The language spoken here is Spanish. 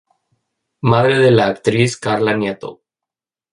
Madre de la actriz Carla Nieto.